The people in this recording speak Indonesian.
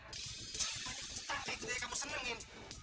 banyak buta itu dia yang kamu senengin